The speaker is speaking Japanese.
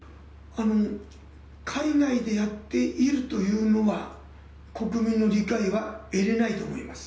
海外でやっているというのは、国民の理解は得れないと思います。